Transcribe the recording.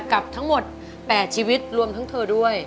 กับทั้งหมด๘ชีวิตรวมทั้งเธอด้วย